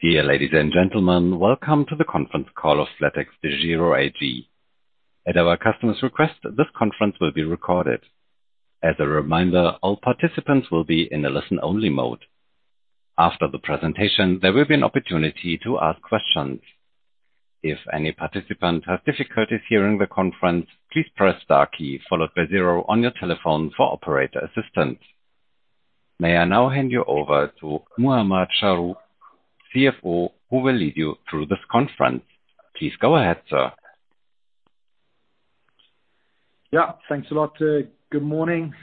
Dear ladies and gentlemen, welcome to the conference call of flatexDEGIRO AG. At our customer's request, this conference will be recorded. As a reminder, all participants will be in a listen-only mode. After the presentation, there will be an opportunity to ask questions. If any participant has difficulties hearing the conference, please press star key followed by zero on your telephone for operator assistance. May I now hand you over to Muhamad Chahrour, CFO, who will lead you through this conference. Please go ahead, sir. Yeah, thanks a lot. Good morning,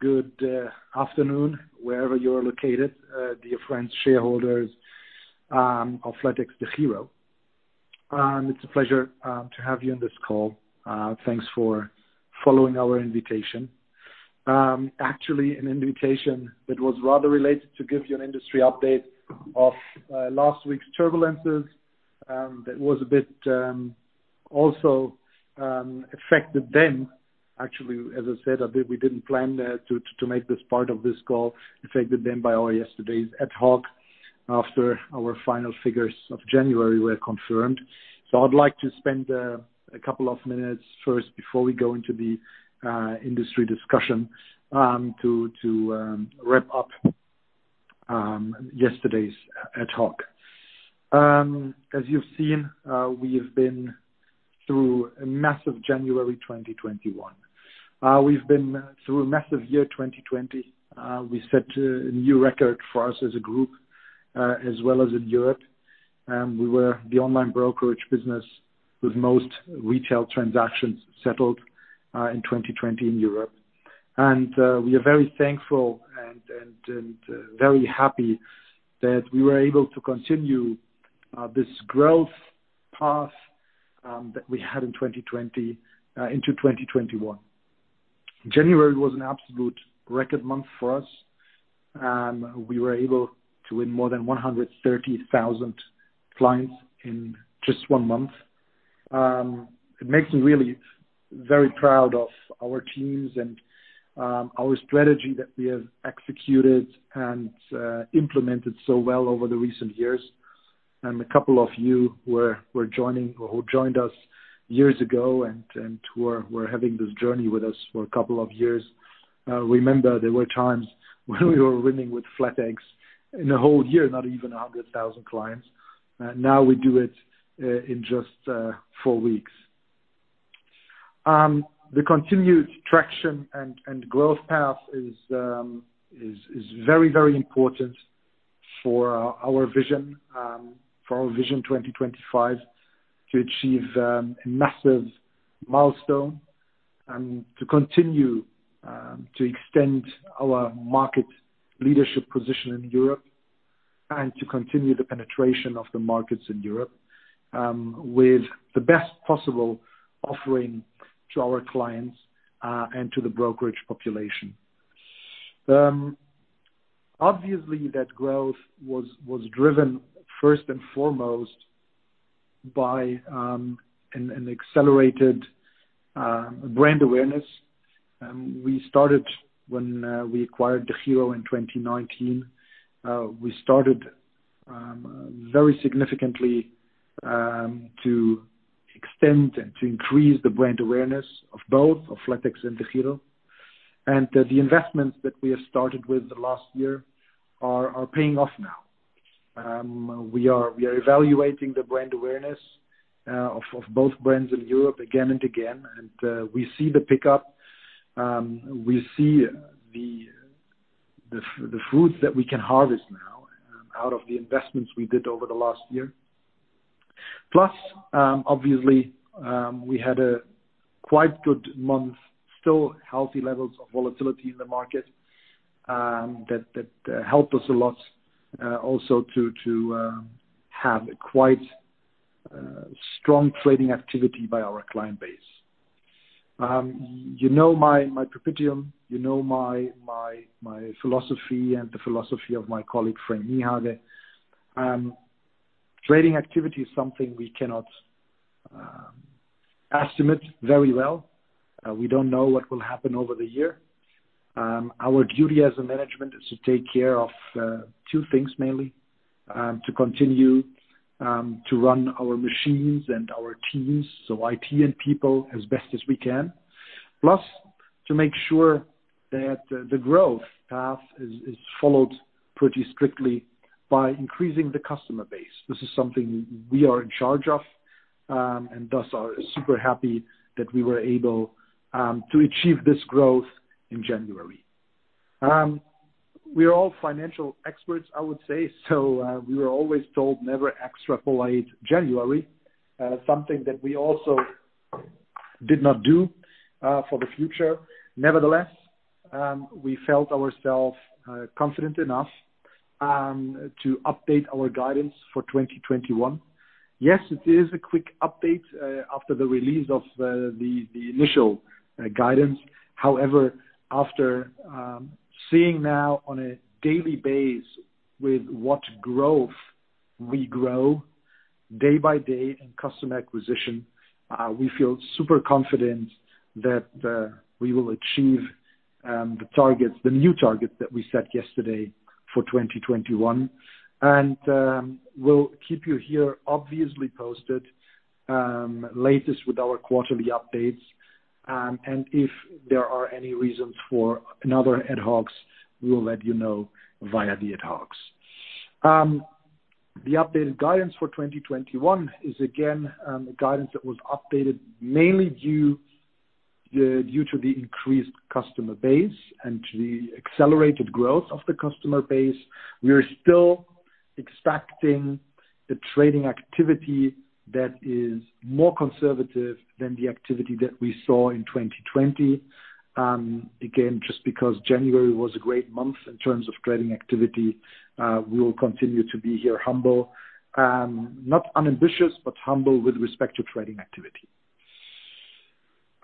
good afternoon, wherever you're located, dear friends, shareholders of flatexDEGIRO. It's a pleasure to have you on this call. Thanks for following our invitation. Actually, an invitation that was rather related to give you an industry update of last week's turbulences, that was a bit also affected then. Actually, as I said, we didn't plan to make this part of this call affected then by our yesterday's ad hoc after our final figures of January were confirmed. I'd like to spend a couple of minutes first before we go into the industry discussion, to wrap up yesterday's ad hoc. As you've seen, we have been through a massive January 2021. We've been through a massive year 2020. We set a new record for us as a group, as well as in Europe. We were the online brokerage business with most retail transactions settled, in 2020 in Europe. We are very thankful and very happy that we were able to continue this growth path that we had in 2020 into 2021. January was an absolute record month for us. We were able to win more than 130,000 clients in just one month. It makes me really very proud of our teams and our strategy that we have executed and implemented so well over the recent years. A couple of you who joined us years ago and who are having this journey with us for a couple of years, remember there were times when we were winning with flatex in a whole year, not even 100,000 clients. Now we do it in just four weeks. The continued traction and growth path is very important for our Vision 2025 to achieve a massive milestone and to continue to extend our market leadership position in Europe and to continue the penetration of the markets in Europe, with the best possible offering to our clients, and to the brokerage population. Obviously that growth was driven first and foremost by an accelerated brand awareness. We started when we acquired DEGIRO in 2019. We started very significantly to extend and to increase the brand awareness of both flatex and DEGIRO. The investments that we have started with the last year are paying off now. We are evaluating the brand awareness of both brands in Europe again and again. We see the pickup, we see the fruits that we can harvest now out of the investments we did over the last year. Plus, obviously we had a quite good month, still healthy levels of volatility in the market that helped us a lot also to have a quite strong trading activity by our client base. You know my propedium, you know my philosophy and the philosophy of my colleague, Frank Niehage. Trading activity is something we cannot estimate very well. We don't know what will happen over the year. Our duty as a management is to take care of two things mainly, to continue to run our machines and our teams, so IT and people, as best as we can. Plus, to make sure that the growth path is followed pretty strictly by increasing the customer base. This is something we are in charge of, and thus are super happy that we were able to achieve this growth in January. We are all financial experts, I would say. We were always told never extrapolate January, something that we also did not do for the future. Nevertheless, we felt ourself confident enough to update our guidance for 2021. Yes, it is a quick update after the release of the initial guidance. However, after seeing now on a daily basis with what growth we grow day by day in customer acquisition, we feel super confident that we will achieve the new targets that we set yesterday for 2021. We'll keep you here obviously posted, latest with our quarterly updates. If there are any reasons for another ad hoc, we will let you know via the ad hocs. The updated guidance for 2021 is again, the guidance that was updated mainly due to the increased customer base and to the accelerated growth of the customer base. We are still expecting the trading activity that is more conservative than the activity that we saw in 2020. Because January was a great month in terms of trading activity, we will continue to be here humble. Not unambitious, but humble with respect to trading activity.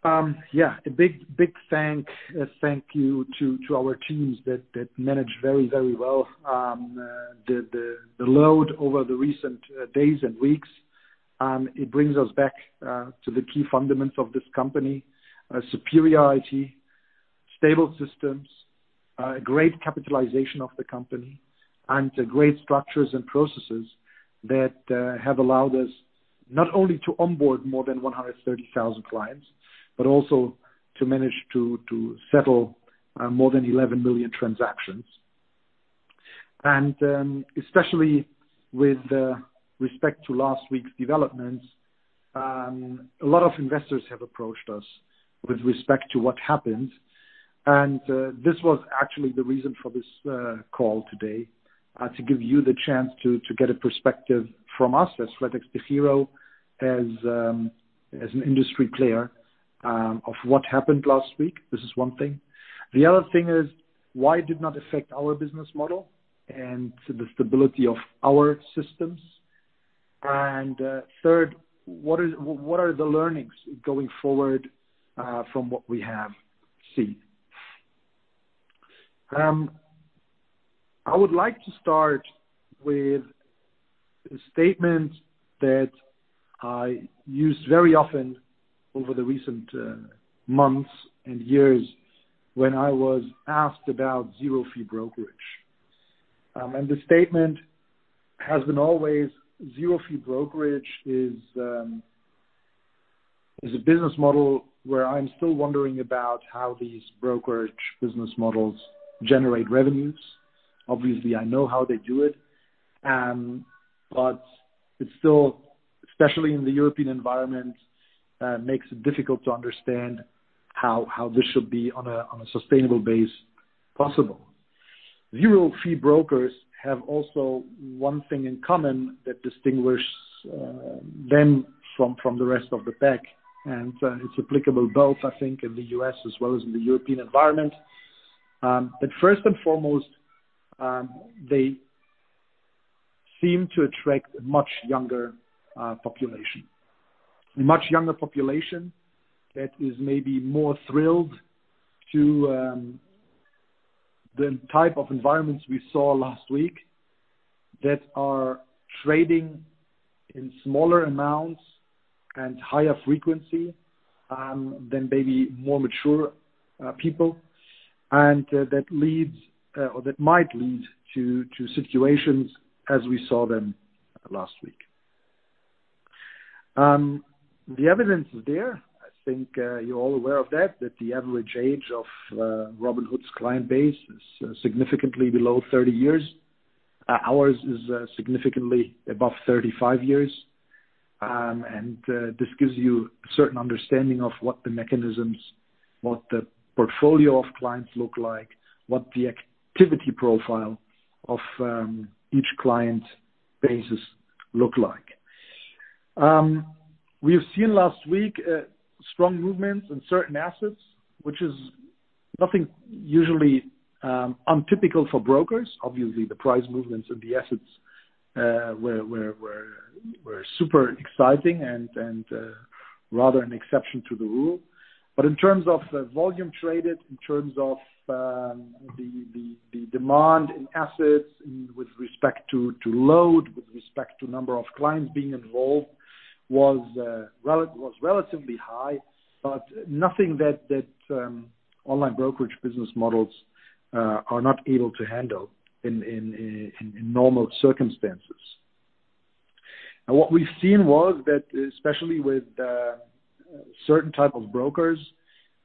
A big thank you to our teams that manage very well the load over the recent days and weeks. It brings us back to the key fundamentals of this company. Superiority, stable systems, great capitalization of the company, and great structures and processes that have allowed us not only to onboard more than 130,000 clients, but also to manage to settle more than 11 million transactions. Especially with respect to last week's developments, a lot of investors have approached us with respect to what happened. This was actually the reason for this call today, to give you the chance to get a perspective from us as flatexDEGIRO, as an industry player, of what happened last week. This is one thing. The other thing is, why it did not affect our business model and the stability of our systems. Third, what are the learnings going forward from what we have seen? I would like to start with a statement that I used very often over the recent months and years when I was asked about zero fee brokerage. The statement has been always, zero fee brokerage is a business model where I'm still wondering about how these brokerage business models generate revenues. Obviously, I know how they do it. It still, especially in the European environment, makes it difficult to understand how this should be on a sustainable base possible. Zero fee brokers have also one thing in common that distinguish them from the rest of the pack, it's applicable both, I think, in the U.S. as well as in the European environment. First and foremost, they seem to attract a much younger population. A much younger population that is maybe more thrilled to the type of environments we saw last week that are trading in smaller amounts and higher frequency, than maybe more mature people. That might lead to situations as we saw them last week. The evidence is there. I think you're all aware of that the average age of Robinhood's client base is significantly below 30 years. Ours is significantly above 35 years. This gives you a certain understanding of what the mechanisms, what the portfolio of clients look like, what the activity profile of each client bases look like. We have seen last week strong movements in certain assets, which is nothing usually untypical for brokers. Obviously, the price movements of the assets were super exciting and rather an exception to the rule. In terms of volume traded, in terms of the demand in assets and with respect to load, with respect to number of clients being involved, was relatively high. Nothing that online brokerage business models are not able to handle in normal circumstances. What we've seen was that, especially with certain type of brokers,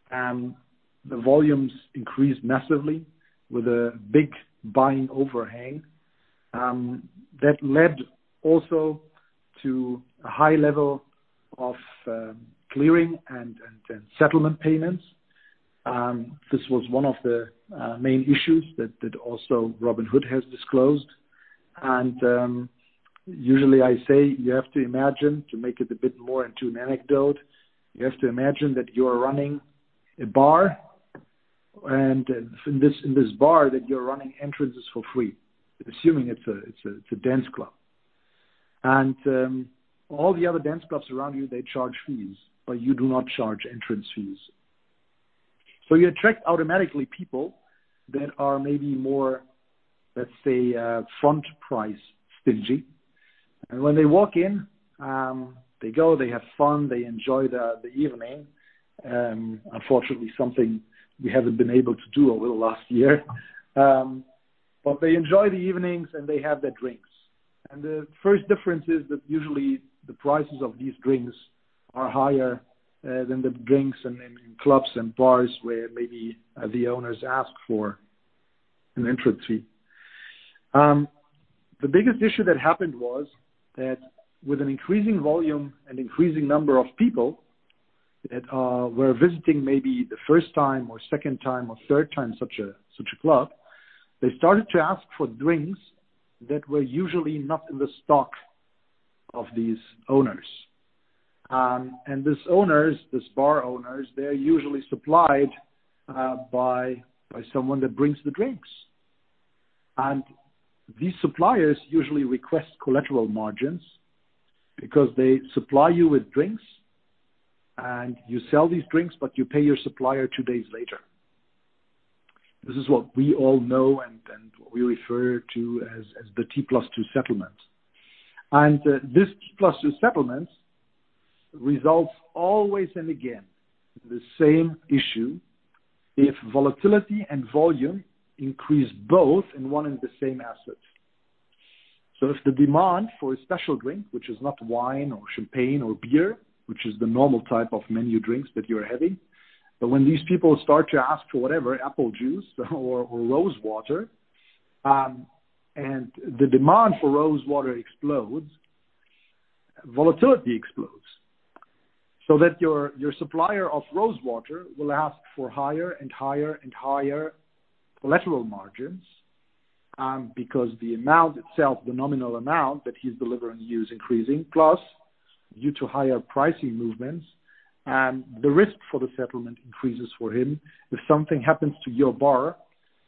the volumes increased massively with a big buying overhang. That led also to a high level of clearing and settlement payments. This was one of the main issues that also Robinhood has disclosed. Usually I say you have to imagine, to make it a bit more into an anecdote, you have to imagine that you are running a bar, and in this bar that you're running entrances for free, assuming it's a dance club. All the other dance clubs around you, they charge fees, but you do not charge entrance fees. So you attract automatically people that are maybe more, let's say, front price stingy. When they walk in, they go, they have fun, they enjoy the evening. Unfortunately, something we haven't been able to do over the last year. They enjoy the evenings, and they have their drinks. The first difference is that usually the prices of these drinks are higher than the drinks in clubs and bars where maybe the owners ask for an entry fee. The biggest issue that happened was that with an increasing volume and increasing number of people that were visiting maybe the first time or second time or third time such a club, they started to ask for drinks that were usually not in the stock of these owners. These owners, these bar owners, they're usually supplied by someone that brings the drinks. These suppliers usually request collateral margins because they supply you with drinks, and you sell these drinks, but you pay your supplier two days later. This is what we all know and what we refer to as the T+2 settlement. This T+2 settlement results always and again, the same issue if volatility and volume increase both in one and the same asset. If the demand for a special drink, which is not wine or champagne or beer, which is the normal type of menu drinks that you're having, but when these people start to ask for whatever, apple juice or rose water, and the demand for rose water explodes, volatility explodes. Your supplier of rose water will ask for higher and higher and higher collateral margins, because the amount itself, the nominal amount that he's delivering to you is increasing, plus due to higher pricing movements, the risk for the settlement increases for him if something happens to your bar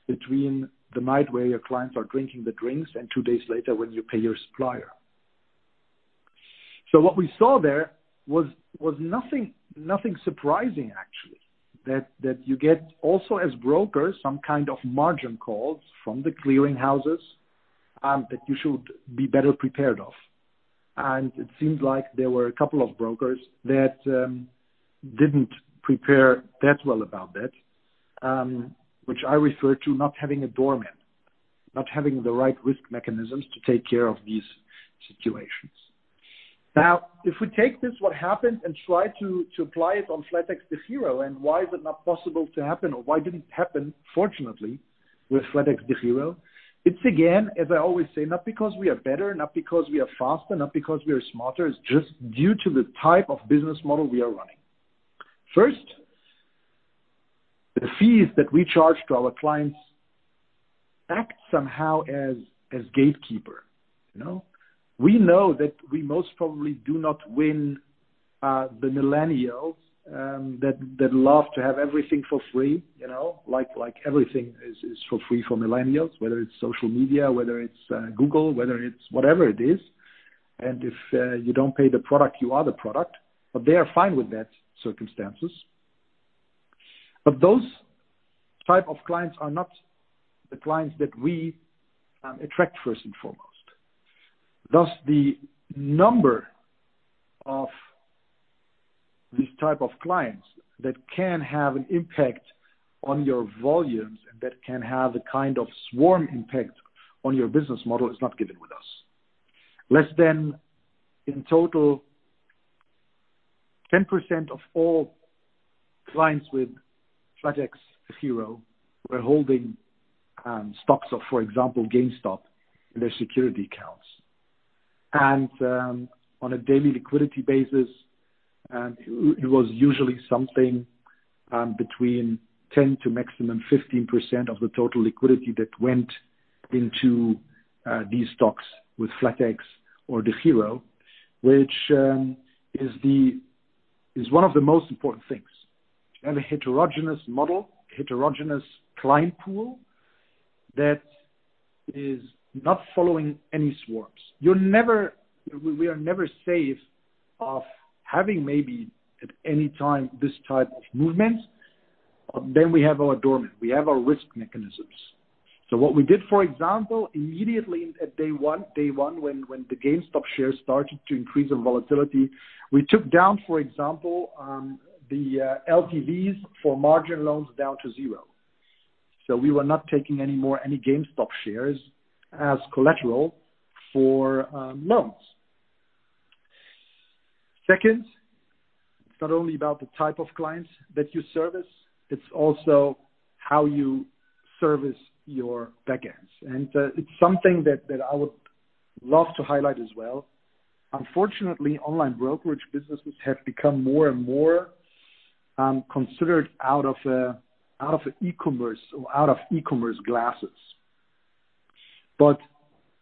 between the night where your clients are drinking the drinks and two days later when you pay your supplier. What we saw there was nothing surprising, actually. That you get also as brokers, some kind of margin calls from the clearing houses, that you should be better prepared of. It seemed like there were a couple of brokers that didn't prepare that well about that, which I refer to not having a doorman. Not having the right risk mechanisms to take care of these situations. If we take this what happened and try to apply it on flatexDEGIRO and why is it not possible to happen, or why didn't it happen, fortunately, with flatexDEGIRO, it's again, as I always say, not because we are better, not because we are faster, not because we are smarter, it's just due to the type of business model we are running. First, the fees that we charge to our clients act somehow as gatekeeper. We know that we most probably do not win the millennials that love to have everything for free. Like everything is for free for millennials, whether it's social media, whether it's Google, whether it's whatever it is. If you don't pay the product, you are the product. They are fine with that circumstances. Those type of clients are not the clients that we attract first and foremost. Thus, the number of these type of clients that can have an impact on your volumes and that can have a kind of swarm impact on your business model is not given with us. Less than, in total, 10% of all clients with flatexDEGIRO were holding stocks of, for example, GameStop in their security accounts. On a daily liquidity basis, it was usually something between 10%-15% of the total liquidity that went into these stocks with flatex or DEGIRO, which is one of the most important things. You have a heterogeneous model, heterogeneous client pool that is not following any swarms. We are never safe of having maybe at any time this type of movement, but then we have our doorman. We have our risk mechanisms. What we did, for example, immediately at day one, when the GameStop shares started to increase in volatility, we took down, for example, the LTVs for margin loans down to zero. We were not taking any more any GameStop shares as collateral for loans. Second, it is not only about the type of clients that you service, it is also how you service your back ends. It's something that I would love to highlight as well. Unfortunately, online brokerage businesses have become more and more considered out of e-commerce glasses.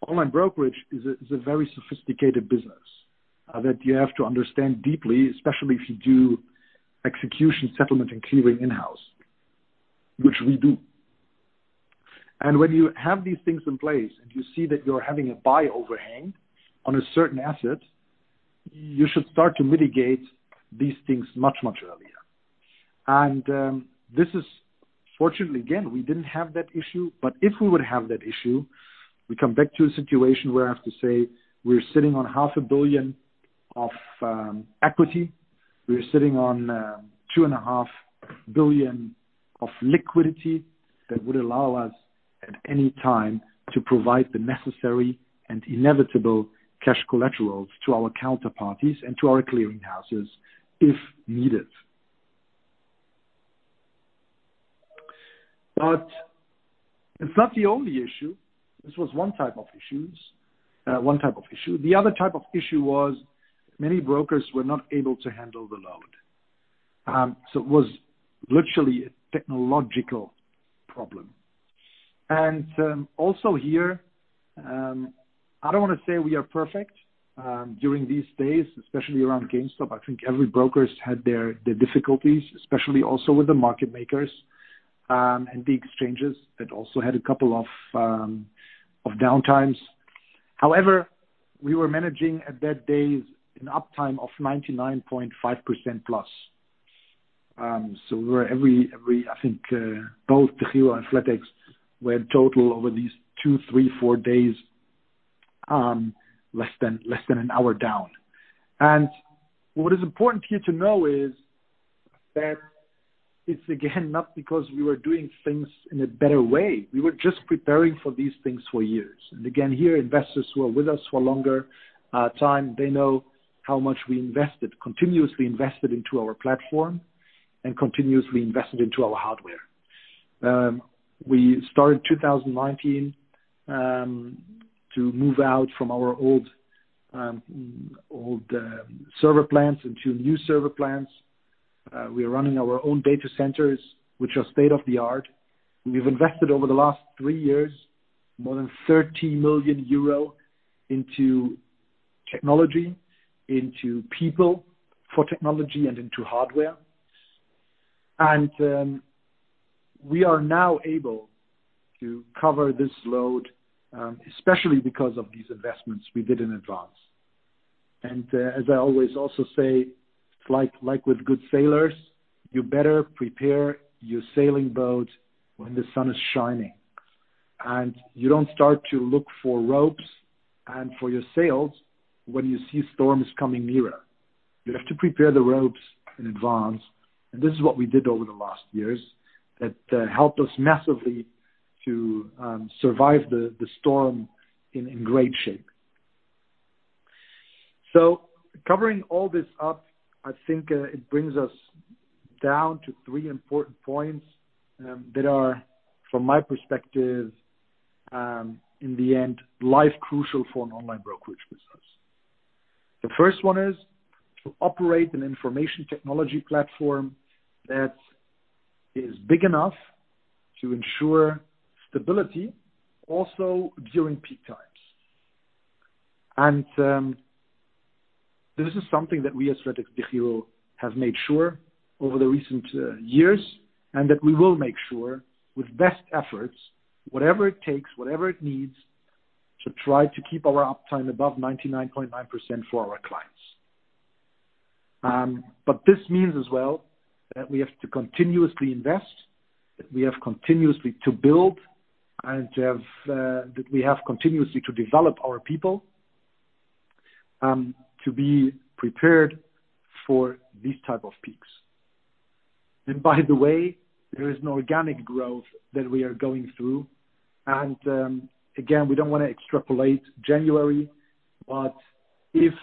Online brokerage is a very sophisticated business that you have to understand deeply, especially if you do execution settlement and clearing in-house, which we do. When you have these things in place and you see that you're having a buy overhang on a certain asset, you should start to mitigate these things much earlier. Fortunately, again, we didn't have that issue, but if we would have that issue, we come back to a situation where I have to say we're sitting on half a billion of equity. We are sitting on 2.5 billion of liquidity that would allow us at any time to provide the necessary and inevitable cash collaterals to our counterparties and to our clearing houses if needed. It's not the only issue. This was one type issue. The other type of issue was many brokers were not able to handle the load. It was literally a technological problem. Also here, I don't want to say we are perfect during these days, especially around GameStop. I think every broker's had their difficulties, especially also with the market makers, and the exchanges that also had a couple of downtimes. However, we were managing at that day an uptime of 99.5%+. I think both DEGIRO and flatex were total over these two, three, four days, less than an hour down. What is important for you to know is that it's again, not because we were doing things in a better way. We were just preparing for these things for years. Again, here, investors who are with us for longer time, they know how much we continuously invested into our platform and continuously invested into our hardware. We started 2019, to move out from our old server plans into new server plans. We are running our own data centers, which are state-of-the-art. We have invested over the last three years, more than 30 million euro into technology, into people for technology, and into hardware. We are now able to cover this load, especially because of these investments we did in advance. As I always also say, like with good sailors, you better prepare your sailing boat when the sun is shining, and you do not start to look for ropes and for your sails when you see storms coming nearer. You have to prepare the ropes in advance, and this is what we did over the last years that helped us massively to survive the storm in great shape. Covering all this up, I think it brings us down to three important points that are, from my perspective, in the end, life crucial for an online brokerage business. The first one is to operate an information technology platform that is big enough to ensure stability also during peak times. And this is something that we as flatexDEGIRO have made sure over the recent years, and that we will make sure with best efforts, whatever it takes, whatever it needs, to try to keep our uptime above 99.9% for our clients. This means as well that we have to continuously invest, that we have continuously to build, and that we have continuously to develop our people, to be prepared for these type of peaks. By the way, there is an organic growth that we are going through. Again, we don't want to extrapolate January, but if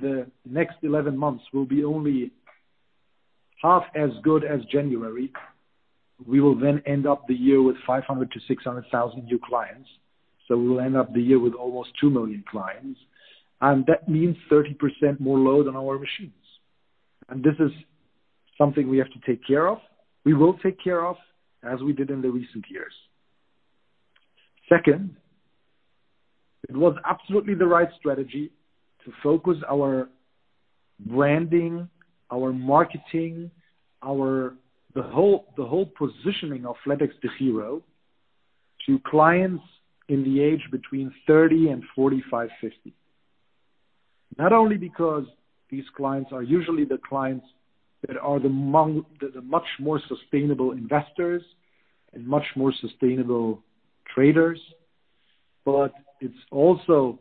the next 11 months will be only half as good as January, we will then end up the year with 500,000-600,000 new clients. We will end up the year with almost 2 million clients, and that means 30% more load on our machines. This is something we have to take care of, we will take care of as we did in the recent years. Second, it was absolutely the right strategy to focus our branding, our marketing, the whole positioning of flatexDEGIRO to clients in the age between 30 and 45, 50. Not only because these clients are usually the clients that are the much more sustainable investors and much more sustainable traders, but it's also,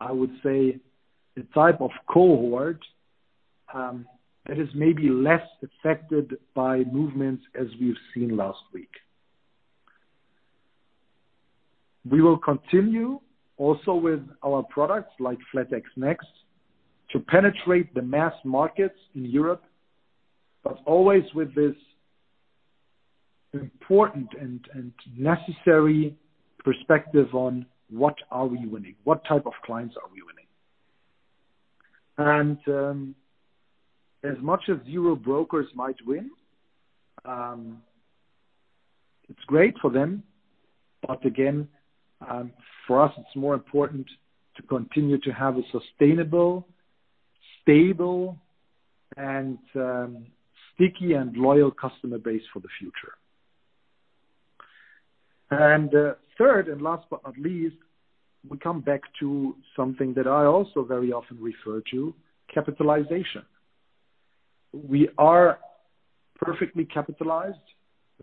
I would say, the type of cohort that is maybe less affected by movements as we've seen last week. We will continue also with our products like flatex next to penetrate the mass markets in Europe, always with this important and necessary perspective on what are we winning, what type of clients are we winning. As much as zero brokers might win, it's great for them. Again, for us, it's more important to continue to have a sustainable and stable and sticky and loyal customer base for the future. Third and last but not least, we come back to something that I also very often refer to, capitalization. We are perfectly capitalized,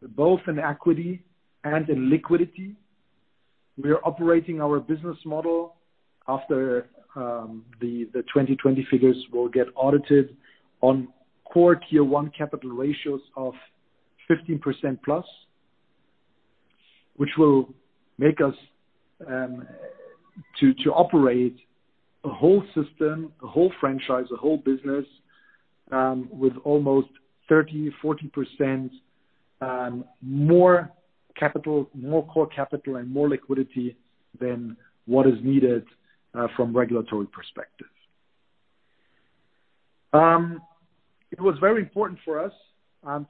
both in equity and in liquidity. We are operating our business model after the 2020 figures will get audited on core Tier 1 capital ratios of 15%+, which will make us to operate a whole system, a whole franchise, a whole business, with almost 30%, 40% more capital, more core capital and more liquidity than what is needed from regulatory perspective. It was very important for us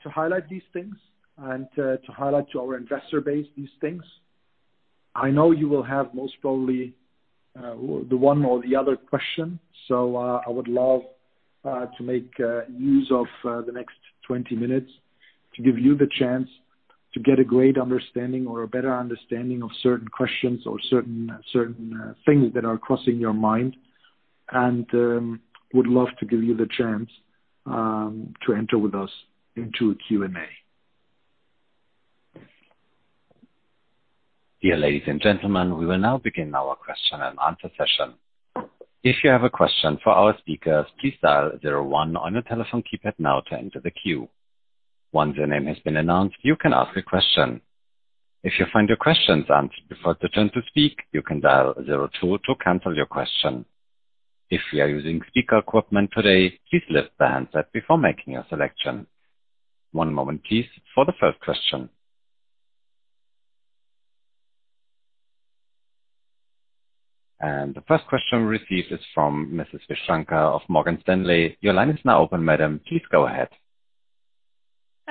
to highlight these things and to highlight to our investor base these things. I know you will have most probably the one or the other question. I would love to make use of the next 20 minutes to give you the chance to get a great understanding or a better understanding of certain questions or certain things that are crossing your mind, and would love to give you the chance to enter with us into a Q&A. Dear ladies and gentlemen, we will now begin our question-and-answer session. If you have a question for our speakers, please dial zero one on your telephone keypad now to enter the queue. Once your name has been announced, you can ask a question. If you find your question's answered before it's your turn to speak, you can dial zero two to cancel your question. If you are using speaker equipment today, please lift the handset before making your selection. One moment please for the first question. The first question received is from Mrs. Ravishanker of Morgan Stanley. Your line is now open, madam. Please go ahead.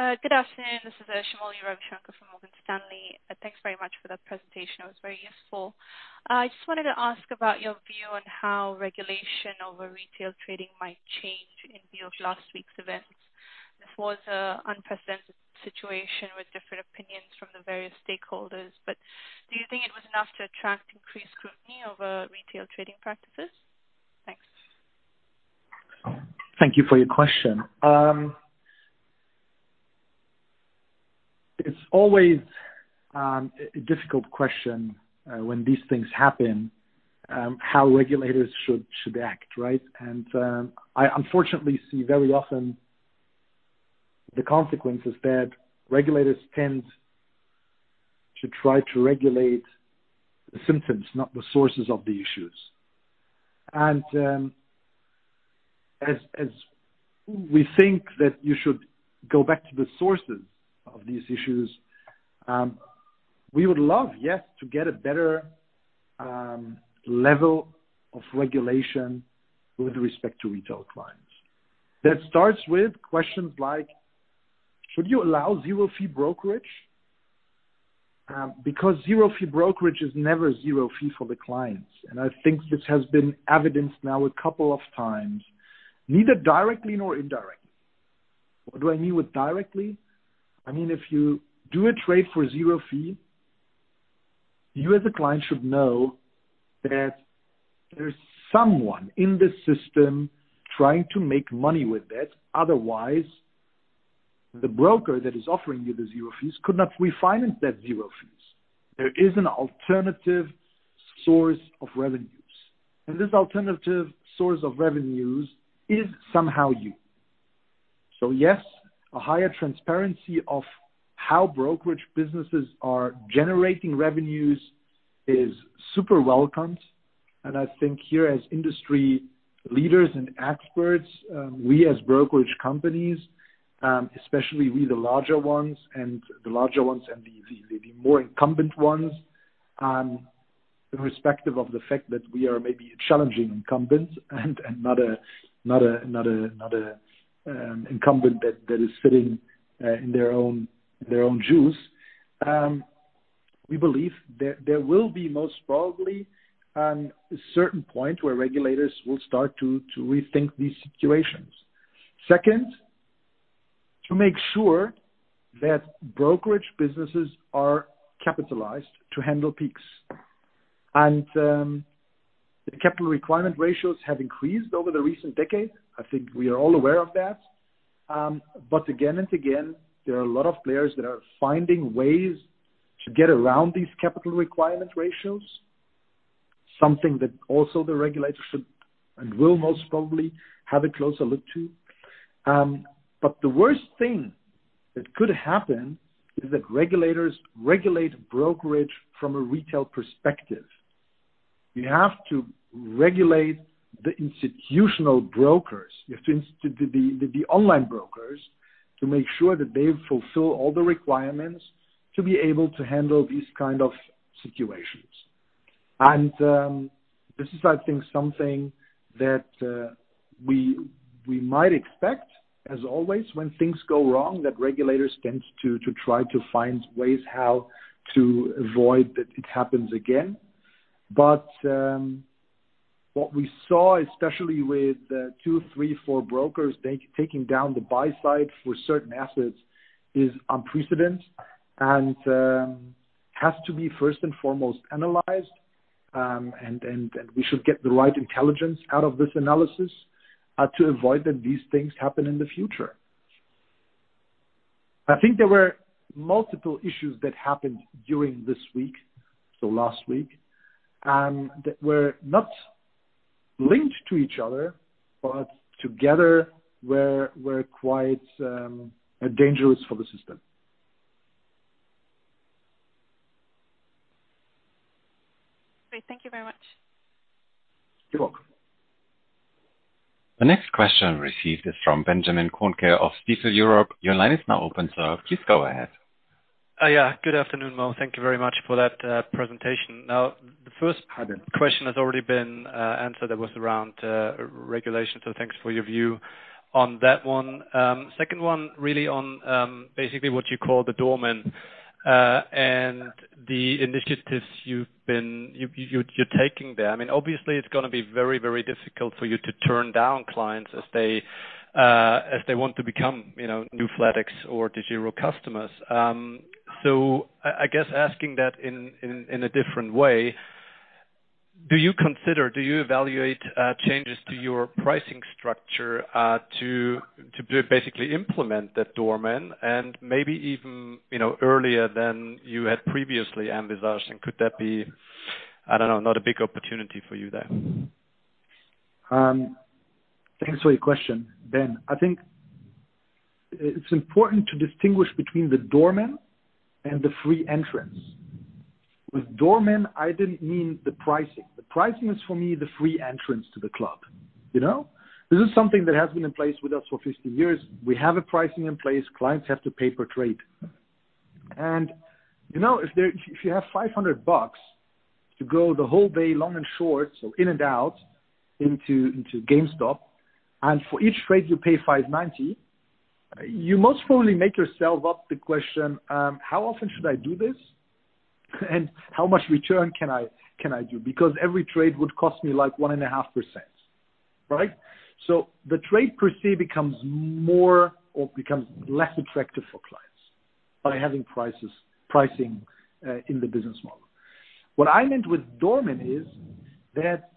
Good afternoon. This is Shamoli Ravishanker from Morgan Stanley. Thanks very much for that presentation. It was very useful. I just wanted to ask about your view on how regulation over retail trading might change in view of last week's events. This was an unprecedented situation with different opinions from the various stakeholders, do you think it was enough to attract increased scrutiny over retail trading practices? Thanks. Thank you for your question. It's always a difficult question when these things happen, how regulators should act, right? I unfortunately see very often the consequences that regulators tend to try to regulate the symptoms, not the sources of the issues. As we think that you should go back to the sources of these issues, we would love, yes, to get a better level of regulation with respect to retail clients. That starts with questions like, should you allow zero fee brokerage? Because zero fee brokerage is never zero fee for the clients. I think this has been evidenced now a couple of times, neither directly nor indirectly. What do I mean with directly? I mean, if you do a trade for zero fee, you as a client should know that there's someone in the system trying to make money with that. Otherwise, the broker that is offering you the zero fees could not refinance that zero fees. There is an alternative source of revenues. This alternative source of revenues is somehow you. Yes, a higher transparency of how brokerage businesses are generating revenues is super welcomed, and I think here as industry leaders and experts, we as brokerage companies, especially we the larger ones and the more incumbent ones, irrespective of the fact that we are maybe challenging incumbents and not an incumbent that is sitting in their own juice. We believe there will be most probably a certain point where regulators will start to rethink these situations. Second, to make sure that brokerage businesses are capitalized to handle peaks. The capital requirement ratios have increased over the recent decade. I think we are all aware of that. Again and again, there are a lot of players that are finding ways to get around these capital requirement ratios, something that also the regulators should and will most probably have a closer look to. The worst thing that could happen is that regulators regulate brokerage from a retail perspective. You have to regulate the institutional brokers, the online brokers, to make sure that they fulfill all the requirements to be able to handle these kind of situations. This is, I think, something that we might expect, as always, when things go wrong, that regulators tend to try to find ways how to avoid that it happens again. What we saw, especially with two, three, four brokers taking down the buy side for certain assets is unprecedented and has to be first and foremost analyzed. We should get the right intelligence out of this analysis to avoid that these things happen in the future. I think there were multiple issues that happened during this week, so last week, and that were not linked to each other, but together were quite dangerous for the system. Great. Thank you very much. You're welcome. The next question received is from Benjamin Kohnke of Stifel Europe. Your line is now open, sir. Please go ahead. Yeah. Good afternoon, Mo. Thank you very much for that presentation. Hi, Ben. Question has already been answered, that was around regulation. Thanks for your view on that one. Second one, really on basically what you call the doorman and the initiatives you're taking there. Obviously it's going to be very, very difficult for you to turn down clients as they want to become new flatex or DEGIRO customers. I guess asking that in a different way, do you consider, do you evaluate changes to your pricing structure to basically implement that doorman and maybe even earlier than you had previously envisaged, and could that be, I don't know, not a big opportunity for you there? Thanks for your question, Ben. I think it's important to distinguish between the doorman and the free entrance. With doorman, I didn't mean the pricing. The pricing is for me, the free entrance to the club. This is something that has been in place with us for 15 years. We have a pricing in place. Clients have to pay per trade. If you have 500 bucks to go the whole day long and short, so in and out into GameStop, and for each trade you pay 5.90, you most probably make yourself up the question, how often should I do this? How much return can I do? Because every trade would cost me like 1.5%. Right? The trade per se becomes more or becomes less attractive for clients by having pricing in the business model. What I meant with doorman is that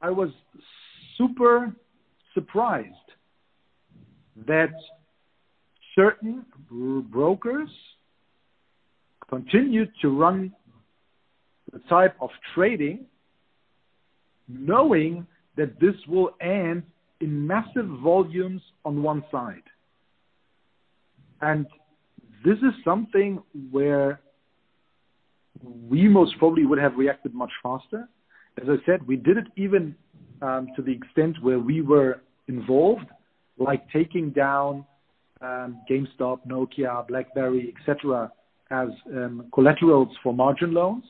I was super surprised that certain brokers continued to run the type of trading knowing that this will end in massive volumes on one side. This is something where we most probably would have reacted much faster. As I said, we did it even to the extent where we were involved, like taking down GameStop, Nokia, BlackBerry, et cetera, as collaterals for margin loans.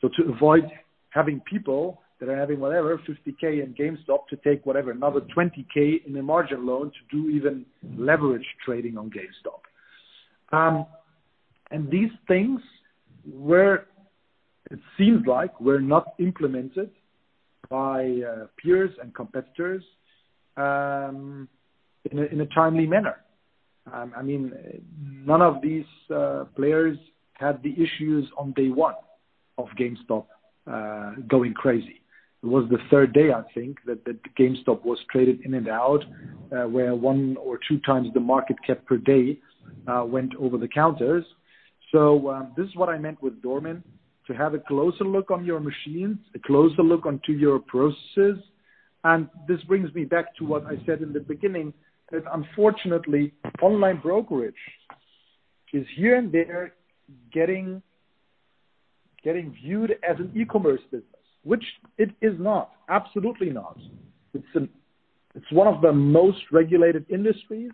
To avoid having people that are having whatever, 50,000 in GameStop to take whatever, another 20,000 in a margin loan to do even leverage trading on GameStop. These things, it seems like were not implemented by peers and competitors in a timely manner. None of these players had the issues on day one of GameStop going crazy. It was the third day, I think that GameStop was traded in and out, where one or two times the market cap per day went over the counters. This is what I meant with doorman, to have a closer look on your machines, a closer look onto your processes. This brings me back to what I said in the beginning, that unfortunately, online brokerage is here and there getting viewed as an e-commerce business, which it is not. Absolutely not. It's one of the most regulated industries,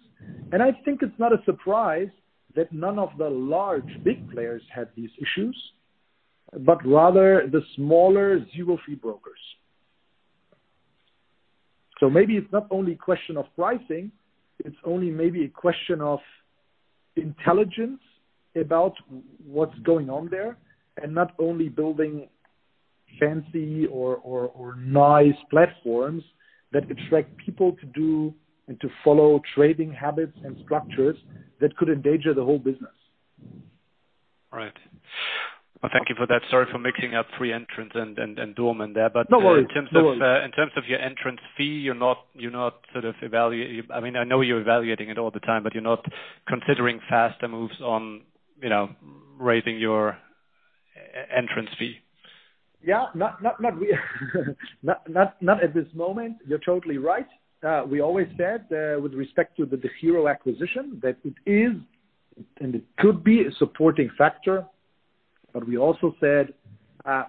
and I think it's not a surprise that none of the large big players had these issues, but rather the smaller zero fee brokers. Maybe it's not only a question of pricing, it's only maybe a question of intelligence about what's going on there, and not only building fancy or nice platforms that attract people to do and to follow trading habits and structures that could endanger the whole business. All right. Thank you for that. Sorry for mixing up free entrance and doorman there. No worries. In terms of your entrance fee, you're not sort of evaluating it all the time, but you're not considering faster moves on raising your entrance fee. Yeah. Not at this moment, you're totally right. We always said, with respect to the DEGIRO acquisition, that it is, and it could be a supporting factor. We also said,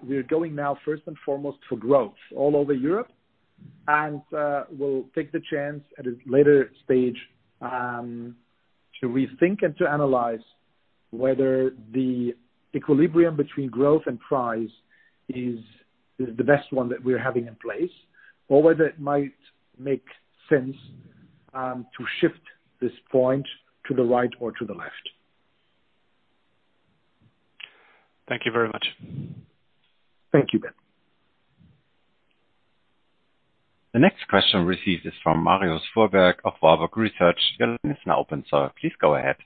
we are going now first and foremost for growth all over Europe. We'll take the chance at a later stage, to rethink and to analyze whether the equilibrium between growth and price is the best one that we're having in place or whether it might make sense to shift this point to the right or to the left. Thank you very much. Thank you. The next question received is from Marius Fuhrberg of Warburg Research. Your line is now open, sir. Please go ahead.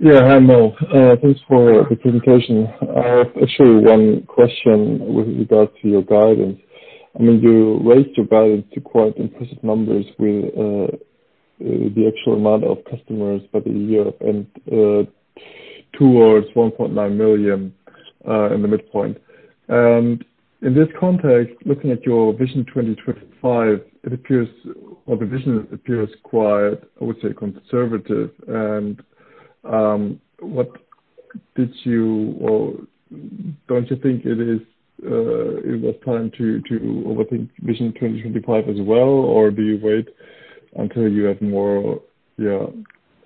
Yeah. Hi, Mo. Thanks for the presentation. I have actually one question with regards to your guidance. You raised your guidance to quite impressive numbers with the actual amount of customers for the year and towards 1.9 million in the midpoint. In this context, looking at your Vision 2025, the vision appears quite, I would say, conservative. Don't you think it was time to overthink Vision 2025 as well? Do you wait until you have more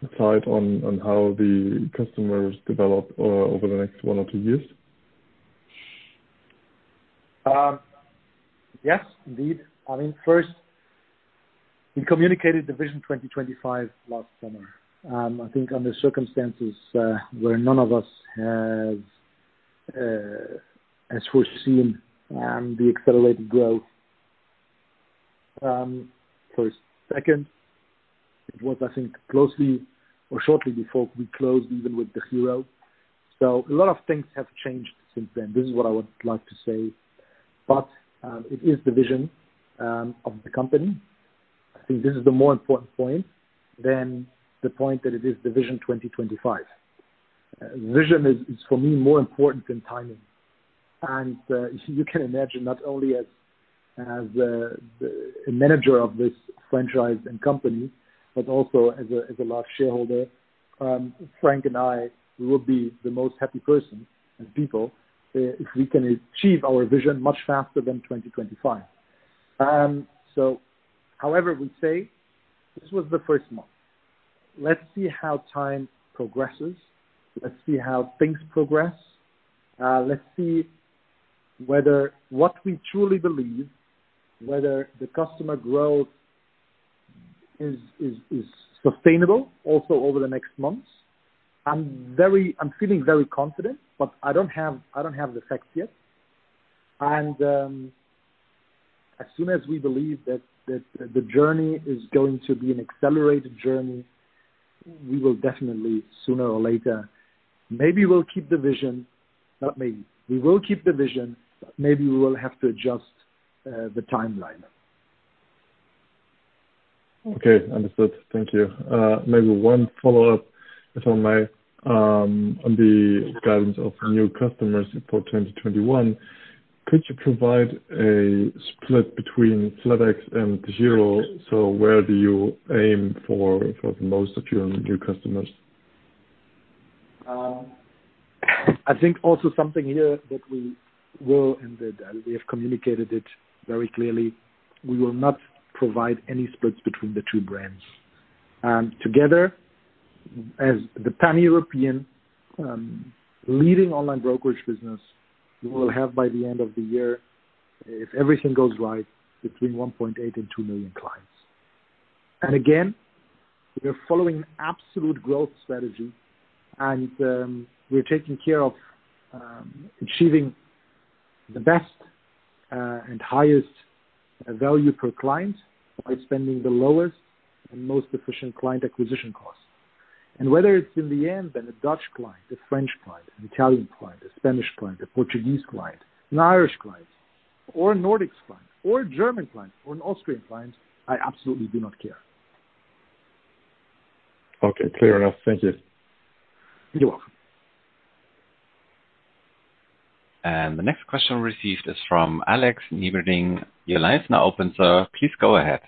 insight on how the customers develop over the next one or two years? Yes, indeed. First, we communicated the Vision 2025 last summer, I think under circumstances where none of us has foreseen the accelerated growth. First, second, it was, I think, closely or shortly before we closed even with DEGIRO. A lot of things have changed since then. This is what I would like to say. It is the Vision of the company. I think this is the more important point than the point that it is the Vision 2025. Vision is, for me, more important than timing. You can imagine, not only as a manager of this franchise and company, but also as a large shareholder, Frank and I would be the most happy person and people if we can achieve our Vision much faster than 2025. However, we say this was the first month. Let's see how time progresses. Let's see how things progress. Let's see whether what we truly believe, whether the customer growth is sustainable also over the next months. I'm feeling very confident, but I don't have the facts yet. As soon as we believe that the journey is going to be an accelerated journey, we will definitely, sooner or later, maybe we'll keep the Vision. Not maybe. We will keep the Vision. Maybe we will have to adjust the timeline. Okay, understood. Thank you. Maybe one follow-up if I may. On the guidance of new customers for 2021, could you provide a split between flatex and DEGIRO? Where do you aim for the most of your new customers? I think also something here that we will, and we have communicated it very clearly, we will not provide any splits between the two brands. Together, as the pan-European leading online brokerage business, we will have by the end of the year, if everything goes right, between 1.8 million and 2 million clients. Again, we are following absolute growth strategy and we're taking care of achieving the best and highest value per client by spending the lowest and most efficient client acquisition costs. Whether it's in the end, then a Dutch client, a French client, an Italian client, a Spanish client, a Portuguese client, an Irish client, or a Nordics client, or a German client, or an Austrian client, I absolutely do not care. Okay, clear enough. Thank you. You're welcome. The next question received is from Alex Nieberding. Your line is now open, sir. Please go ahead.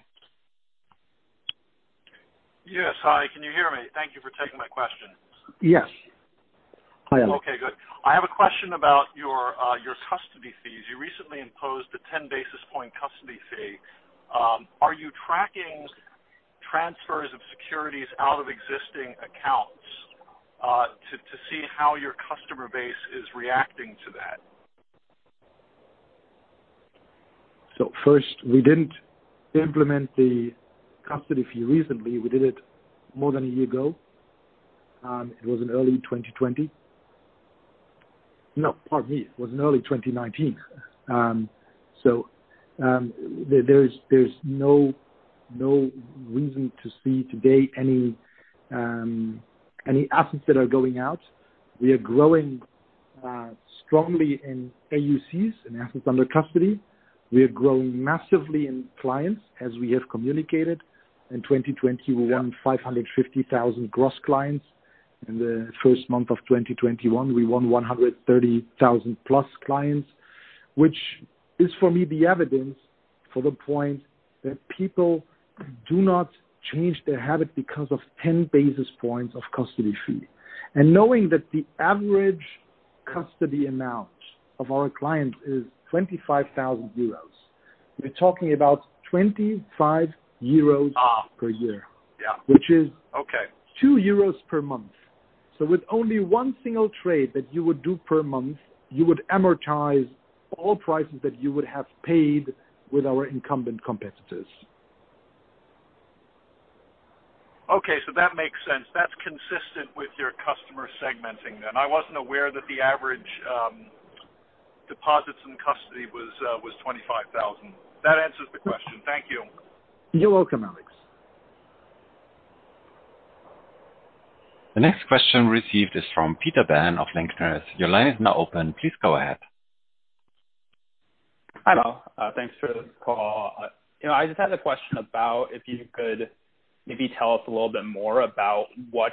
Yes. Hi, can you hear me? Thank you for taking my question. Yes. Hi, Alex. Okay, good. I have a question about your custody fees. You recently imposed a 10 basis point custody fee. Are you tracking transfers of securities out of existing accounts to see how your customer base is reacting to that? First, we didn't implement the custody fee recently. We did it more than a year ago. It was in early 2020. No, pardon me, it was in early 2019. There's no reason to see today any assets that are going out. We are growing strongly in AUCs, in assets under custody. We are growing massively in clients, as we have communicated. In 2020, we won 550,000 gross clients. In the first month of 2021, we won 130,000+ clients, which is for me the evidence for the point that people do not change their habit because of 10 basis points of custody fee. Knowing that the average custody amount of our clients is 25,000 euros, we're talking about 25 euros per year. Okay. 2 euros per month. With only one single trade that you would do per month, you would amortize all prices that you would have paid with our incumbent competitors. Okay. That makes sense. That's consistent with your customer segmenting then. I wasn't aware that the average deposits and custody was 25,000. That answers the question. Thank you. You're welcome, Alex. The next question received is from Peter Bevan of Linklaters. Your line is now open. Please go ahead. Hi, all. Thanks for this call. I just had a question about if you could maybe tell us a little bit more about what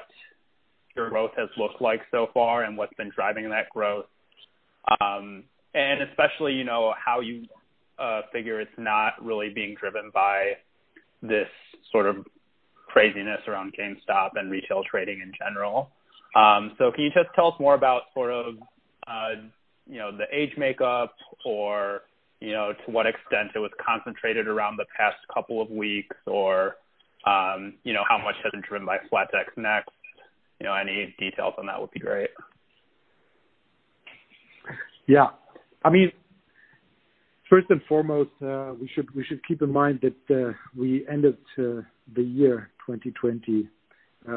your growth has looked like so far and what's been driving that growth. Especially, how you figure it's not really being driven by this sort of craziness around GameStop and retail trading in general. Can you just tell us more about the age makeup or to what extent it was concentrated around the past couple of weeks or how much has been driven by flatex Next? Any details on that would be great. Yeah. First and foremost, we should keep in mind that we ended the year 2020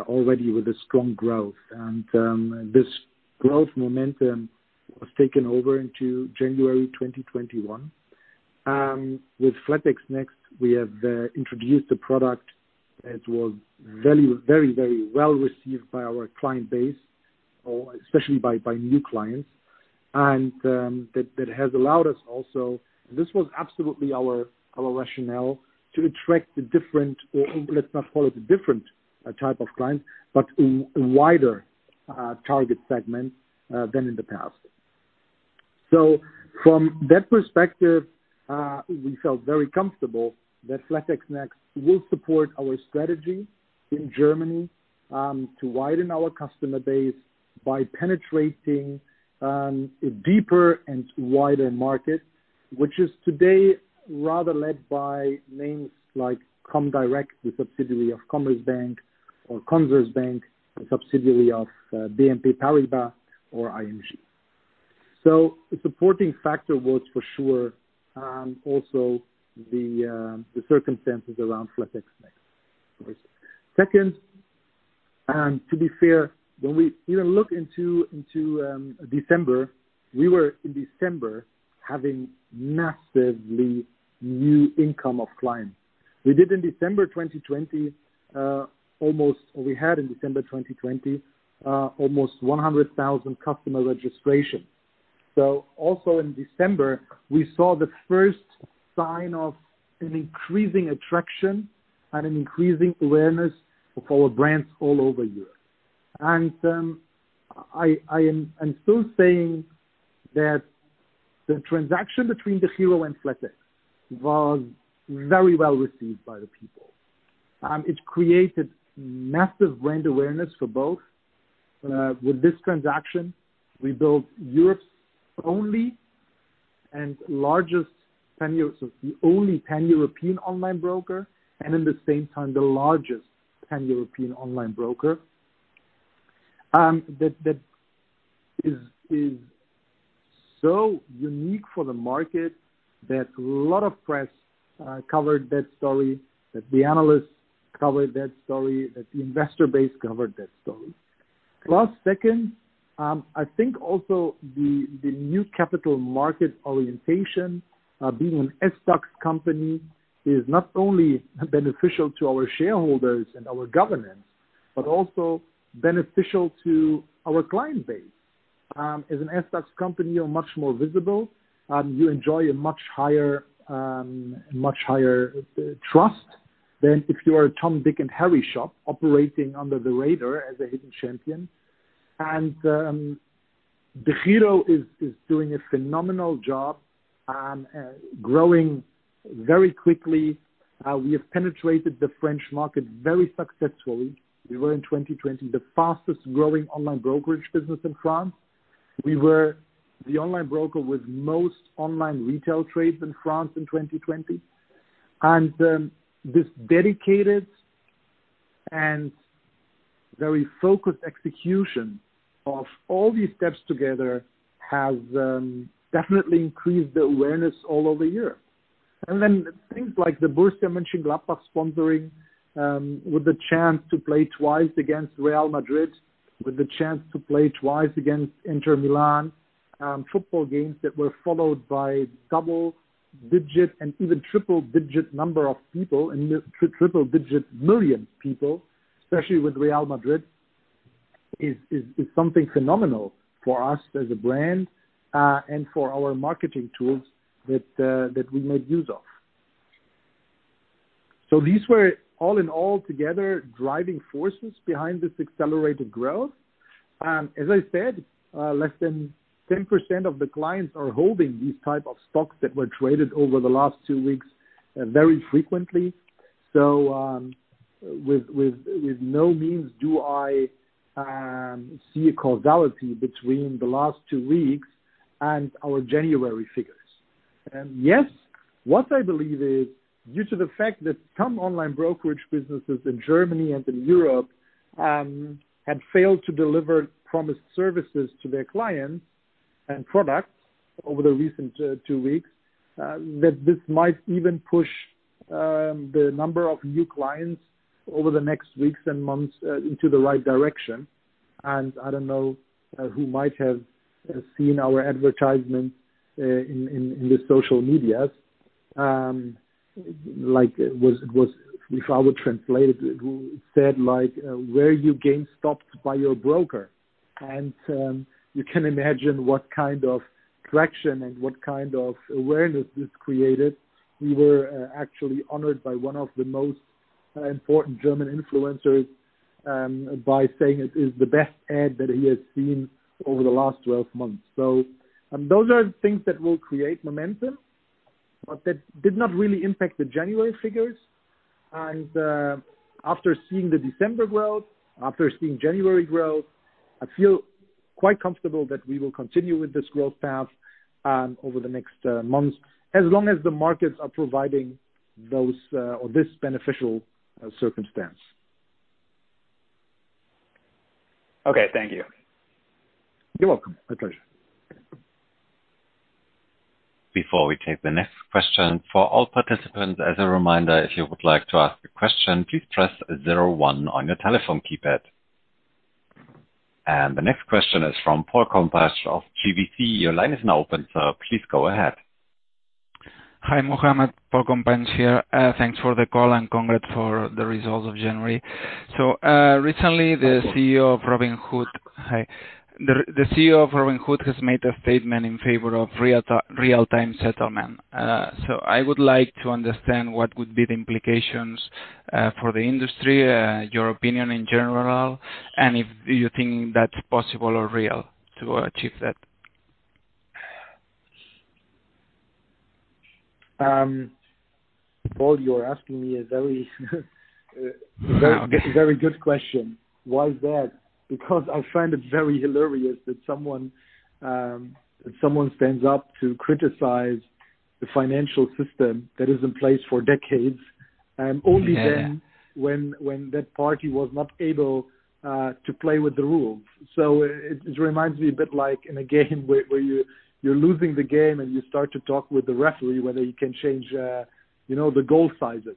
already with a strong growth. This growth momentum was taken over into January 2021. With flatex next, we have introduced a product that was very well received by our client base, especially by new clients. That has allowed us also. This was absolutely our rationale to attract the different, or let's not call it the different type of client, but a wider target segment than in the past. From that perspective, we felt very comfortable that flatex next will support our strategy in Germany, to widen our customer base by penetrating a deeper and wider market, which is today rather led by names like comdirect, the subsidiary of Commerzbank, or Consorsbank, a subsidiary of BNP Paribas or ING. The supporting factor was for sure, also the circumstances around flatex next. To be fair, when we even look into December, we were, in December, having massively new income of clients. We had in December 2020, almost 100,000 customer registrations. Also in December, we saw the first sign of an increasing attraction and an increasing awareness of our brands all over Europe. I am still saying that the transaction between the flatex and DEGIRO was very well received by the people. It created massive brand awareness for both. With this transaction, we built Europe's only and largest pan-European online broker. That is so unique for the market that a lot of press covered that story, that the analysts covered that story, that the investor base covered that story. Second, I think also the new capital market orientation, being an SDAX company is not only beneficial to our shareholders and our governance, but also beneficial to our client base. As an SDAX company, you're much more visible. You enjoy a much higher trust than if you are a Tom, Dick, and Harry shop operating under the radar as a hidden champion. DEGIRO is doing a phenomenal job and growing very quickly. We have penetrated the French market very successfully. We were, in 2020, the fastest growing online brokerage business in France. We were the online broker with most online retail trades in France in 2020. This dedicated and very focused execution of all these steps together has definitely increased the awareness all over Europe. Things like the Borussia Mönchengladbach sponsoring, with the chance to play twice against Real Madrid, with the chance to play twice against Inter Milan, football games that were followed by double-digit and even triple-digit number of people, and triple-digit million people, especially with Real Madrid, is something phenomenal for us as a brand, and for our marketing tools that we made use of. These were all in all together, driving forces behind this accelerated growth. As I said, less than 10% of the clients are holding these type of stocks that were traded over the last two weeks very frequently. With no means do I see a causality between the last two weeks and our January figures. What I believe is due to the fact that some online brokerage businesses in Germany and in Europe have failed to deliver promised services to their clients and products over the recent two weeks, that this might even push the number of new clients over the next weeks and months into the right direction. I don't know who might have seen our advertisement in the social media. If I would translate it said, were you stopped by your broker? You can imagine what kind of traction and what kind of awareness this created. We were actually honored by one of the most important German influencers by saying it is the best ad that he has seen over the last 12 months. Those are things that will create momentum, but that did not really impact the January figures. After seeing the December growth, after seeing January growth, I feel quite comfortable that we will continue with this growth path over the next months, as long as the markets are providing this beneficial circumstance. Okay. Thank you. You're welcome. My pleasure. Before we take the next question, for all participants, as a reminder, if you would like to ask a question, please press zero one on your telephone keypad. The next question is from Pol Companys of GVC. Your line is now open, please go ahead. Hi, Muhamad. Pol Companys here. Thanks for the call and congrats for the results of January. Recently the CEO of Robinhood has made a statement in favor of real-time settlement. I would like to understand what would be the implications for the industry, your opinion in general, and if you think that's possible or real to achieve that? Pol, you are asking me a very good question. Why is that? Because I find it very hilarious that someone stands up to criticize the financial system that is in place for decades. Yeah when that party was not able to play with the rules. It reminds me a bit like in a game where you're losing the game and you start to talk with the referee, whether you can change the goal sizes.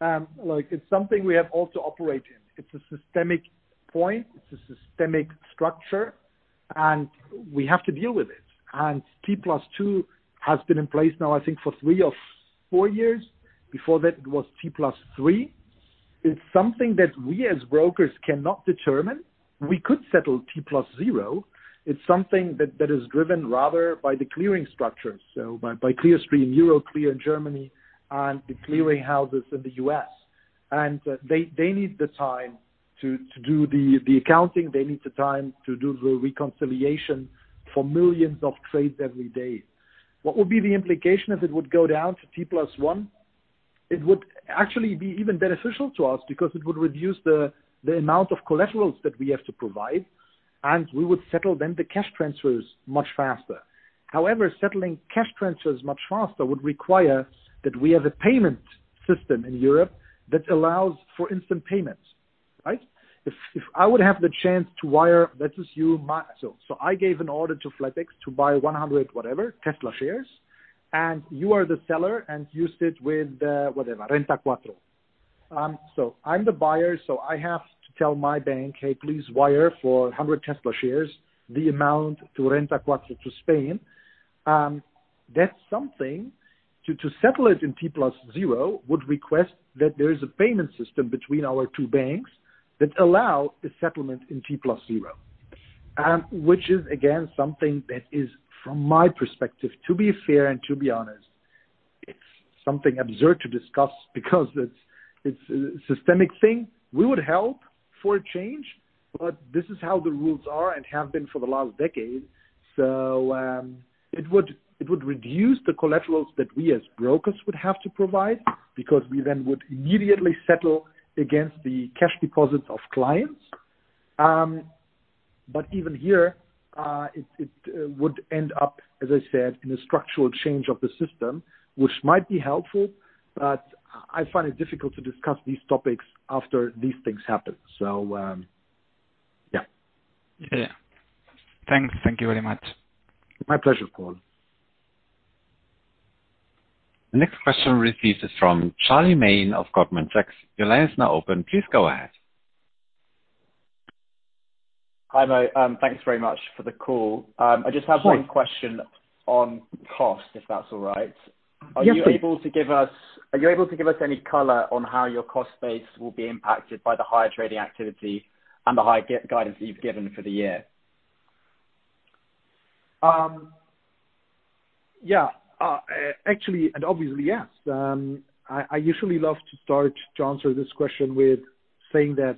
It's something we have all to operate in. It's a systemic point, it's a systemic structure, and we have to deal with it. T+2 has been in place now, I think for three or four years. Before that it was T+3. It's something that we as brokers cannot determine. We could settle T+0. It's something that is driven rather by the clearing structure, so by Clearstream, Euroclear in Germany, and the clearing houses in the U.S. They need the time to do the accounting. They need the time to do the reconciliation for millions of trades every day. What would be the implication if it would go down to T+1? It would actually be even beneficial to us because it would reduce the amount of collaterals that we have to provide, and we would settle then the cash transfers much faster. Settling cash transfers much faster would require that we have a payment system in Europe that allows for instant payments, right? If I would have the chance to wire, so I gave an order to flatex to buy 100, whatever, Tesla shares, and you are the seller and used it with, whatever, Renta 4. I'm the buyer, I have to tell my bank, hey, please wire for 100 Tesla shares, the amount to Renta 4 to Spain. That's something, to settle it in T+0 would request that there is a payment system between our two banks that allow a settlement in T+0, which is again, something that is, from my perspective, to be fair and to be honest, it's something absurd to discuss because it's a systemic thing. We would help for a change, but this is how the rules are and have been for the last decade. It would reduce the collaterals that we as brokers would have to provide, because we then would immediately settle against the cash deposits of clients. Even here, it would end up, as I said, in a structural change of the system, which might be helpful, but I find it difficult to discuss these topics after these things happen. Yeah. Yeah. Thanks. Thank you very much. My pleasure, Pol. The next question received is from Charlie Mayne of Goldman Sachs. Your line is now open. Please go ahead. Hi, Mo. Thanks very much for the call. I just have one question on cost, if that's all right. Yes, please. Are you able to give us any color on how your cost base will be impacted by the higher trading activity and the higher guidance that you've given for the year? Yeah. Actually, obviously, yes. I usually love to start to answer this question with saying that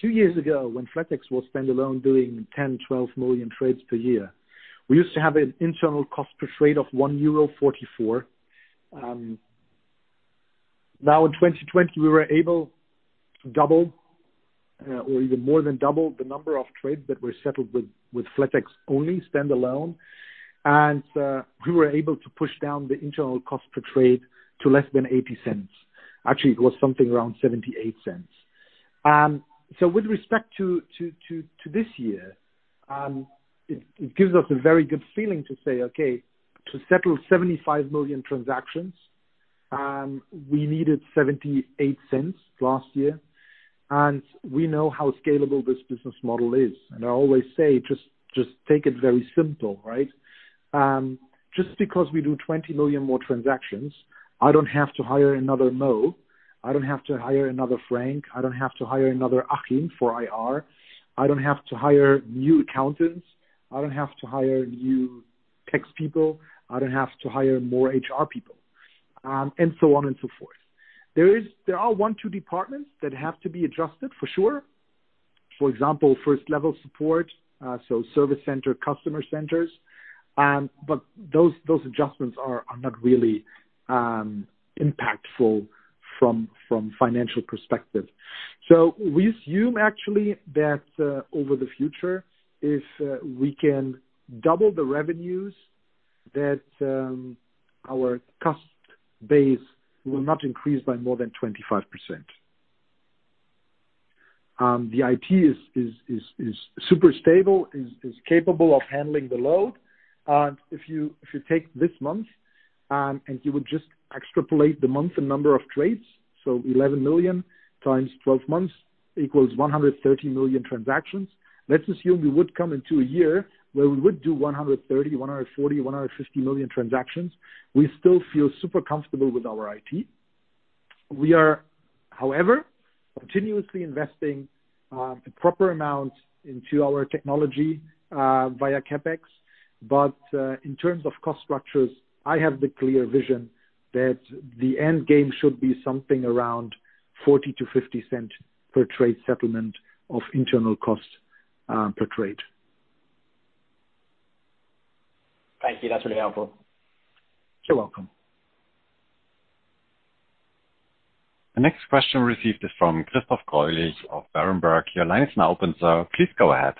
two years ago, when flatex was standalone doing 10 million-12 million trades per year, we used to have an internal cost per trade of 1.44 euro. In 2020, we were able to double or even more than double the number of trades that were settled with flatex only standalone. We were able to push down the internal cost per trade to less than 0.80. Actually, it was something around 0.78. With respect to this year, it gives us a very good feeling to say, okay, to settle 75 million transactions, we needed 0.78 last year, and we know how scalable this business model is. I always say, just take it very simple, right? Just because we do 20 million more transactions, I don't have to hire another Mo, I don't have to hire another Frank, I don't have to hire another Achim for IR, I don't have to hire new accountants, I don't have to hire new tax people, I don't have to hire more HR people, and so on and so forth. There are one, two departments that have to be adjusted for sure. For example, first-level support, so service center, customer centers. Those adjustments are not really impactful from financial perspective. We assume actually that over the future, if we can double the revenues, that our cost base will not increase by more than 25%. The IT is super stable, is capable of handling the load. If you take this month, and you would just extrapolate the month and number of trades, so 11 million x 12 months = 130 million transactions. Let's assume we would come into a year where we would do 130 million, 140 million, 150 million transactions. We still feel super comfortable with our IT. We are, however, continuously investing a proper amount into our technology via CapEx. In terms of cost structures, I have the clear vision that the end game should be something around 0.40-0.50 per trade settlement of internal cost per trade. Thank you. That's really helpful. You're welcome. The next question received is from Christoph Greulich of Berenberg. Your line is now open, sir. Please go ahead.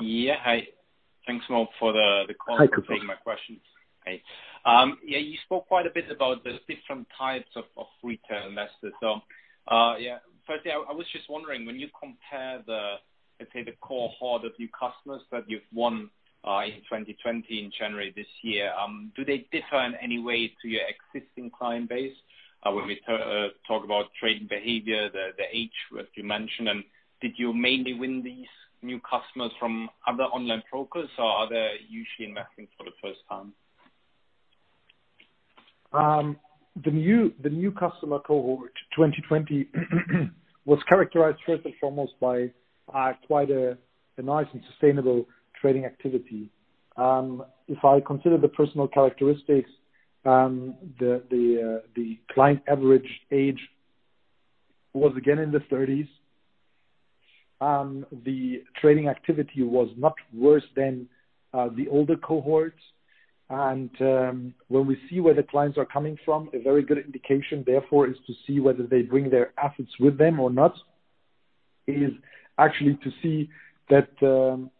Yeah. Hi. Thanks Mo. Hi, Christoph. Taking my questions. Hey. You spoke quite a bit about the different types of retail investors. Firstly, I was just wondering when you compare the, let's say, the cohort of new customers that you've won in 2020, in January this year, do they differ in any way to your existing client base? When we talk about trading behavior, the age, as you mentioned, did you mainly win these new customers from other online brokers, or are they usually investing for the first time? The new customer cohort, 2020, was characterized first and foremost by quite a nice and sustainable trading activity. If I consider the personal characteristics, the client average age was again in the 30s. The trading activity was much worse than the older cohorts. When we see where the clients are coming from, a very good indication therefore is to see whether they bring their assets with them or not, is actually to see that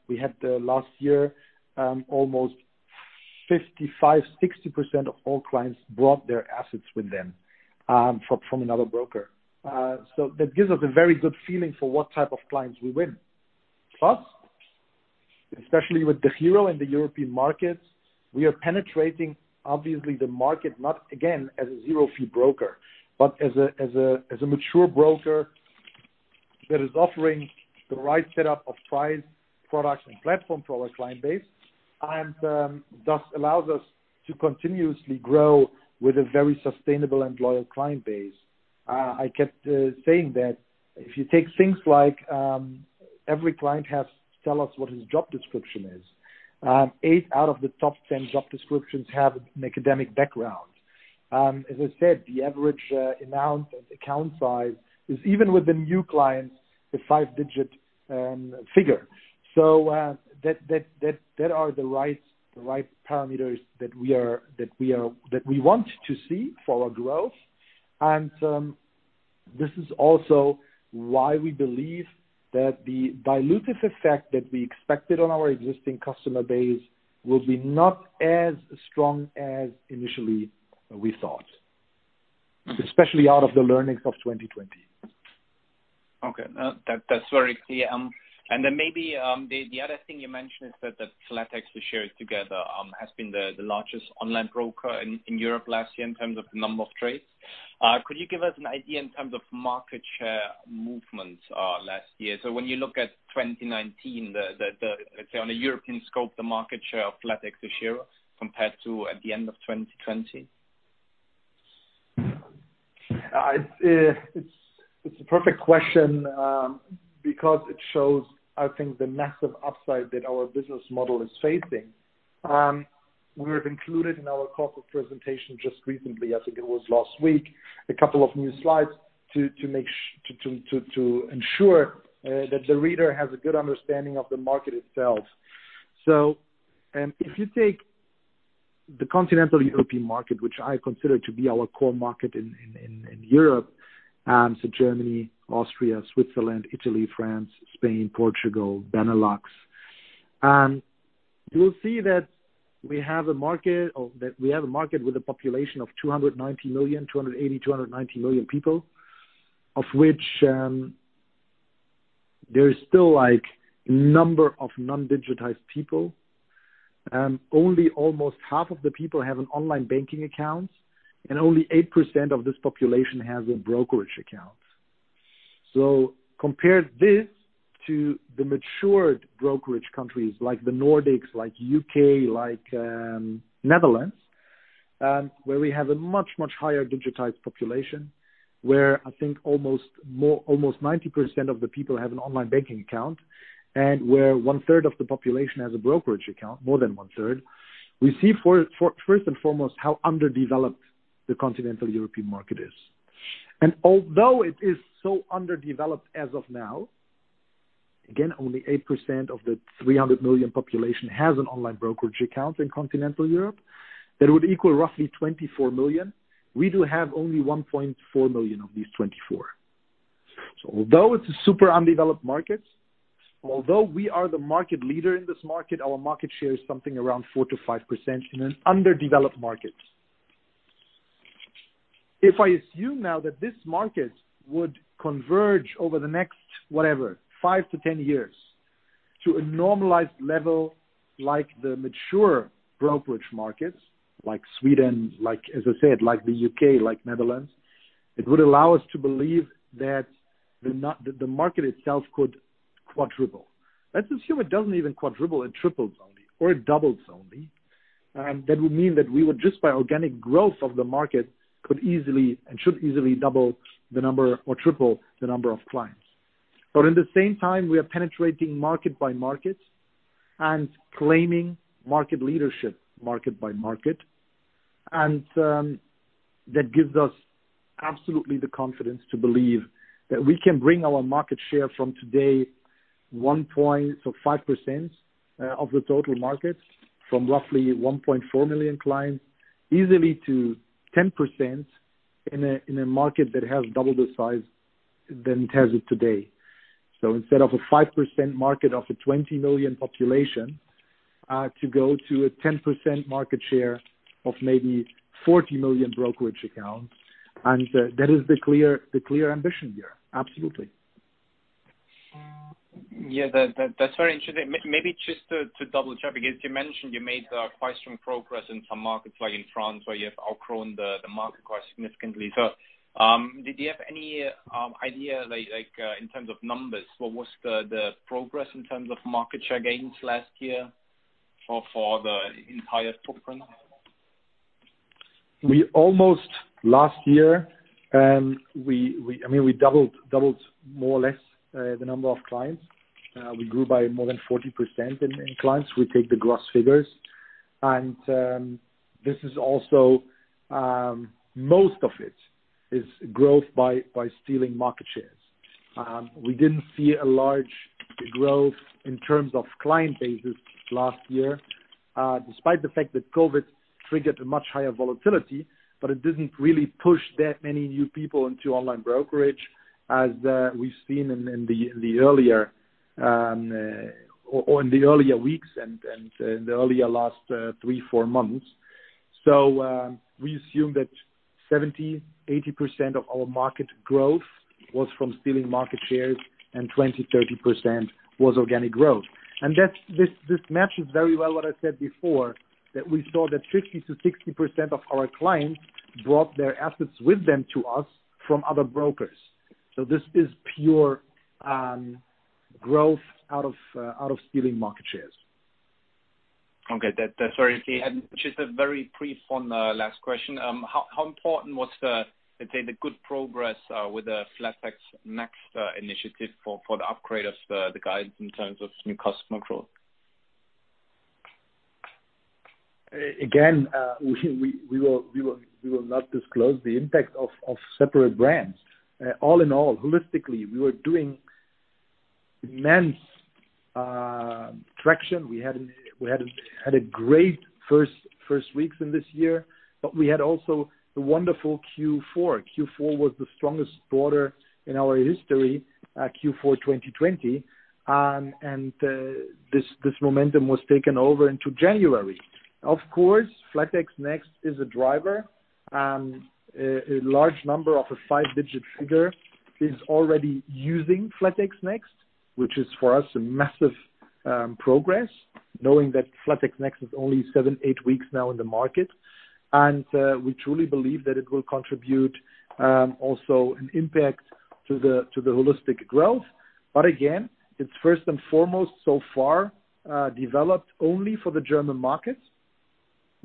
we had the last year almost 55%, 60% of all clients brought their assets with them from another broker. That gives us a very good feeling for what type of clients we win. Especially with DEGIRO in the European markets, we are penetrating obviously the market, not again as a zero fee broker, but as a mature broker that is offering the right setup of price, product, and platform for our client base, and thus allows us to continuously grow with a very sustainable and loyal client base. I kept saying that if you take things like every client has to tell us what his job description is. Eight out of the top 10 job descriptions have an academic background. As I said, the average amount and account size is even with the new clients, a five-digit figure. That are the right parameters that we want to see for our growth. This is also why we believe that the dilutive effect that we expected on our existing customer base will be not as strong as initially we thought, especially out of the learnings of 2020. Okay. No, that's very clear. Maybe the other thing you mentioned is that the flatexDEGIRO together has been the largest online broker in Europe last year in terms of the number of trades. Could you give us an idea in terms of market share movements last year? When you look at 2019, let's say on a European scope, the market share of flatexDEGIRO compared to at the end of 2020. It's a perfect question because it shows, I think, the massive upside that our business model is facing. We have included in our corporate presentation just recently, I think it was last week, a couple of new slides to ensure that the reader has a good understanding of the market itself. If you take the continental European market, which I consider to be our core market in Europe, so Germany, Austria, Switzerland, Italy, France, Spain, Portugal, Benelux, you will see that we have a market with a population of 290 million, 280 million, 290 million people, of which there is still a number of non-digitized people. Only almost half of the people have an online banking account, and only 8% of this population has a brokerage account. Compare this to the matured brokerage countries like the Nordics, like U.K., like Netherlands, where we have a much higher digitized population, where I think almost 90% of the people have an online banking account, and where one-third of the population has a brokerage account, more than one-third, we see first and foremost how underdeveloped the continental European market is. Although it is so underdeveloped as of now, again, only 8% of the 300 million population has an online brokerage account in continental Europe. That would equal roughly 24 million. We do have only 1.4 million of these 24 million. Although it's a super undeveloped market, although we are the market leader in this market, our market share is something around 4%-5% in an underdeveloped market. If I assume now that this market would converge over the next, whatever, 5-10 years to a normalized level like the mature brokerage markets like Sweden, like, as I said, like the U.K., like Netherlands, it would allow us to believe that the market itself could quadruple. Let's assume it doesn't even quadruple, it triples only, or it doubles only. That would mean that we would just by organic growth of the market, could easily and should easily double the number or triple the number of clients. At the same time, we are penetrating market by market and claiming market leadership market by market. That gives us absolutely the confidence to believe that we can bring our market share from today, 1.5% of the total market from roughly 1.4 million clients easily to 10% in a market that has double the size than it has it today. Instead of a 5% market of a 20 million population, to go to a 10% market share of maybe 40 million brokerage accounts. That is the clear ambition here. Absolutely. Yeah. That's very interesting. Maybe just to double-check, because you mentioned you made quite strong progress in some markets, like in France, where you have outgrown the market quite significantly. Did you have any idea in terms of numbers? What was the progress in terms of market share gains last year for the entire footprint? We almost last year, we doubled more or less the number of clients. We grew by more than 40% in clients. We take the gross figures. This is also, most of it is growth by stealing market shares. We didn't see a large growth in terms of client bases last year, despite the fact that COVID triggered a much higher volatility, but it didn't really push that many new people into online brokerage as we've seen in the earlier weeks and in the earlier last three, four months. We assume that 70%, 80% of our market growth was from stealing market shares and 20%, 30% was organic growth. This matches very well what I said before, that we saw that 50%-60% of our clients brought their assets with them to us from other brokers. This is pure growth out of stealing market shares. Okay. That's very clear. Just a very brief one last question. How important was the, let's say, the good progress with the flatex Next initiative for the upgrade of the guidance in terms of new customer growth? Again, we will not disclose the impact of separate brands. All in all, holistically, we were doing immense traction. We had a great first weeks in this year, but we had also the wonderful Q4. Q4 was the strongest quarter in our history, Q4 2020. This momentum was taken over into January. Of course, flatex Next is a driver. A large number of a five-digit figure is already using flatex Next, which is for us a massive progress, knowing that flatex Next is only seven, eight weeks now in the market. We truly believe that it will contribute also an impact to the holistic growth. Again, it's first and foremost so far developed only for the German market.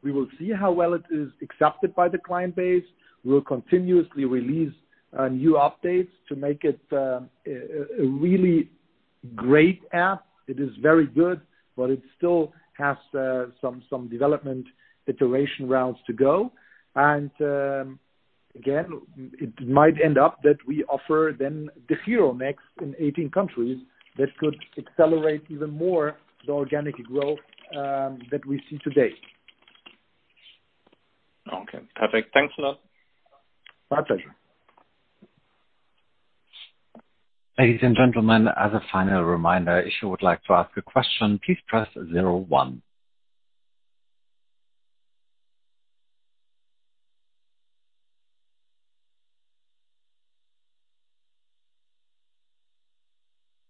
We will see how well it is accepted by the client base. We will continuously release new updates to make it a really great app. It is very good, but it still has some development iteration rounds to go. Again, it might end up that we offer then the DEGIRO Next in 18 countries. That could accelerate even more the organic growth that we see today. Okay, perfect. Thanks a lot. My pleasure. Ladies and gentlemen, as a final reminder, if you would like to ask a question, please press zero one.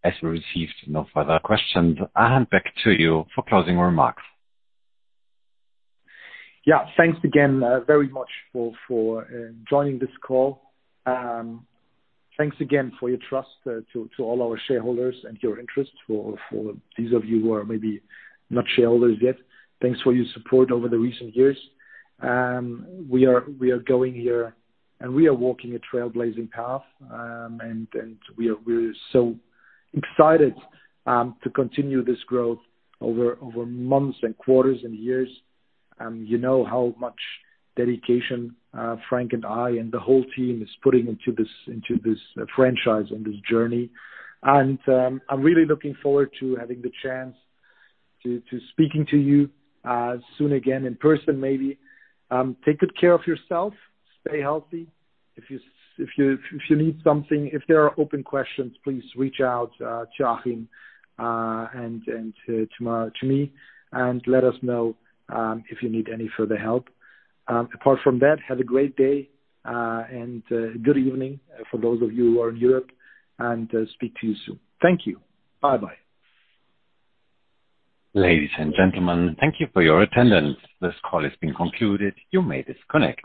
As we received no further questions, I hand back to you for closing remarks. Yeah. Thanks again very much for joining this call. Thanks again for your trust to all our shareholders and your interest for those of you who are maybe not shareholders yet. Thanks for your support over the recent years. We are going here. We are walking a trailblazing path. We are so excited to continue this growth over months and quarters and years. You know how much dedication Frank and I and the whole team is putting into this franchise and this journey. I'm really looking forward to having the chance to speaking to you soon again in person maybe. Take good care of yourself, stay healthy. If you need something, if there are open questions, please reach out to Achim and to me. Let us know if you need any further help. Apart from that, have a great day. Good evening for those of you who are in Europe. Speak to you soon. Thank you. Bye-bye. Ladies and gentlemen, thank you for your attendance. This call has been concluded. You may disconnect.